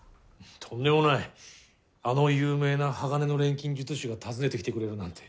とんでもないあの有名な鋼の錬金術師が訪ねてきてくれるなんて